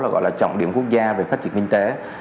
và gọi là trọng điểm quốc gia về phát triển kinh tế